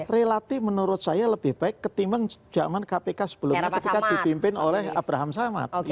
relatif menurut saya lebih baik ketimbang zaman kpk sebelumnya ketika dipimpin oleh abraham samad